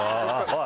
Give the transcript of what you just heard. おい！